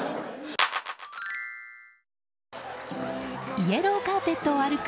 イエローカーペットを歩く